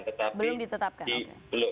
belum ditetapkan oke